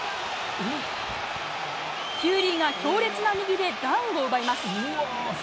フューリーが強烈な右でダウンを奪います。